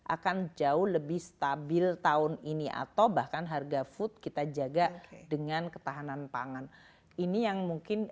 akan jauh lebih stabil tahun ini atau bahkan harga food kita jaga dengan ketahanan pangan ini yang mungkin